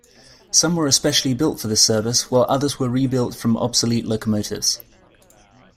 Some were especially built for this service, while others were rebuilt from obsolete locomotives.